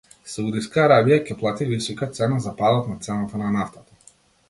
Саудиска Арабија ќе плати висока цена за падот на цената на нафтата